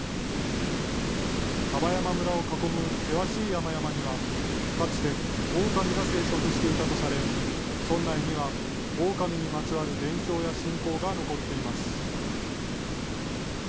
丹波山村を囲む険しい山々には、かつてオオカミが生息していたとされ、村内にはオオカミにまつわる伝承や信仰が残っています。